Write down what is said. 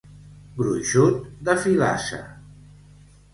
Gruixut de filassa.